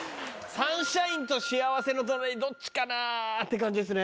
サンシャインと幸せのトナリ、どっちかなって感じですね。